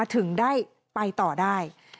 ถึงได้ไปต่อได้